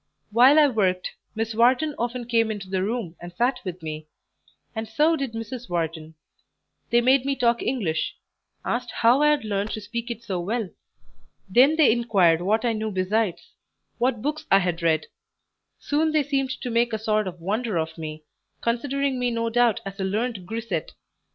While I worked, Miss Wharton often came into the room and sat with me, and so did Mrs. Wharton; they made me talk English; asked how I had learned to speak it so well; then they inquired what I knew besides what books I had read; soon they seemed to make a sort of wonder of me, considering me no doubt as a learned grisette.